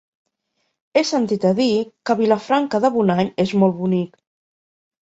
He sentit a dir que Vilafranca de Bonany és molt bonic.